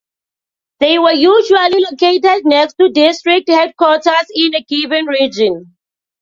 They were usually located next to district headquarters in a given region.